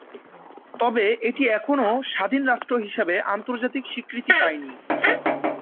তবে এটি এখনও স্বাধীন রাষ্ট্র হিসেবে আন্তর্জাতিক স্বীকৃতি পায়নি।